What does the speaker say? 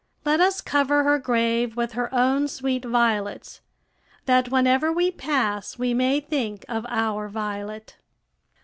Let us cover her grave with her own sweet violets, that whenever we pass we may think of our Violet."